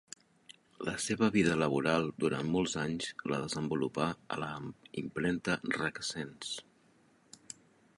La seva vida laboral durant molts anys la desenvolupà a la impremta Requesens.